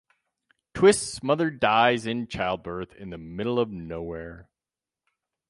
Twist's mother dies in childbirth in the middle of nowhere.